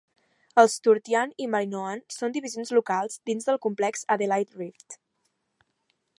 Els Sturtian i Marinoan són divisions locals dins del complex Adelaide Rift.